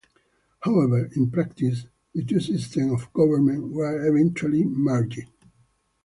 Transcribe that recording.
However, in practice the two systems of government were eventually merged.